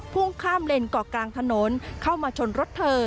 พุ่งข้ามเลนเกาะกลางถนนเข้ามาชนรถเธอ